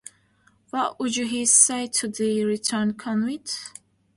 What would he say to the returned convict?